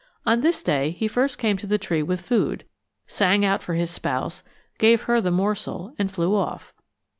On this day he first came to the tree with food, sang out for his spouse, gave her the morsel, and flew off.